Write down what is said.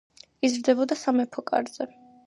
იზრდებოდა სამეფო კარზე.